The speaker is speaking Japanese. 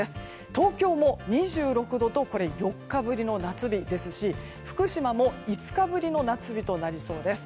東京も２６度と４日ぶりの夏日ですし福島も５日ぶりの夏日となりそうです。